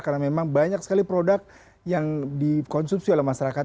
karena memang banyak sekali produk yang dikonsumsi oleh masyarakat